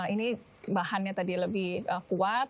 ini bahannya tadi lebih kuat